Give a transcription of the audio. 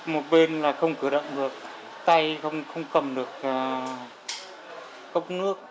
một bên là không cửa đậm được tay không cầm được cốc nước